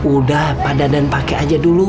udah pak dadan pake aja dulu